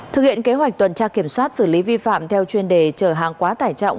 thực hiện kế hoạch tuần tra kiểm soát xử lý vi phạm theo chuyên đề chở hàng quá tải trọng